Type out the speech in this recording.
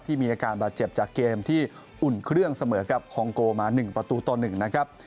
มีอาการบาดเจ็บจากเกมที่อุ่นเครื่องเสมอกับฮองโกมา๑ประตูต่อ๑นะครับ